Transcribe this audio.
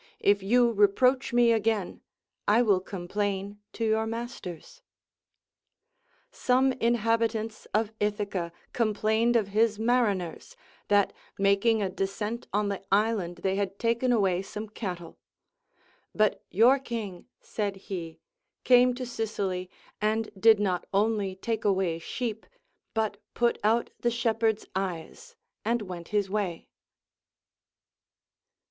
If you reproach me again, I will complain to your masters. Some inhabitants of Ithaca complained of his mariners, that making a descent on the island they had taken aAvay some cattle ; But your king, said he, came to Sicily, and did not only take away sheep, but put out the shepherd's eyes, and went his way.